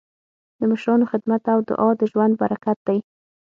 د مشرانو خدمت او دعا د ژوند برکت دی.